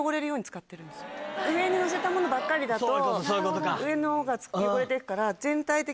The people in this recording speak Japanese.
上に載せたものばっかりだと上のが汚れて行くから。